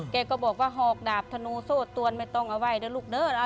แกก็บอกว่าฒอกดาบธนูโซชตีวลย์ไม่ต้องเอาไว้เลยลูกเดิ่ด